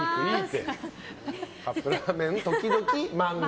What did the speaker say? カップラーメン時々漫画。